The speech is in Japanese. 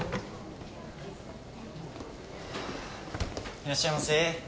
いらっしゃいませ。